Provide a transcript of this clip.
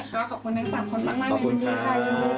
ก็ขอบคุณทั้ง๓คนมากเลยนะคะ